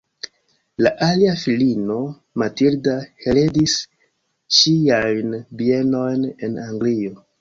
La alia filino, Matilda, heredis ŝiajn bienojn en Anglio.